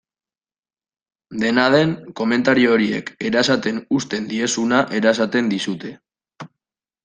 Dena den, komentario horiek erasaten uzten diezuna erasaten dizute.